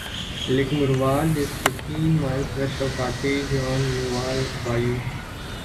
Lake Murvaul is fifteen miles west of Carthage on Murvaul Bayou.